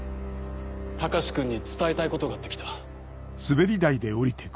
隆君に伝えたいことがあって来た。